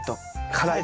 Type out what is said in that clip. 辛い。